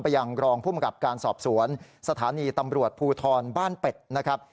ยังรองภูมิกับการสอบสวนสถานีตำรวจภูทรบ้านเป็ดนะครับ